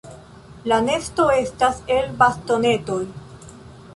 La nesto estas el bastonetoj.